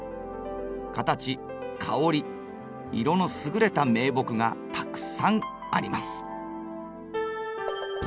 形香り色の優れた名木がたくさんあります。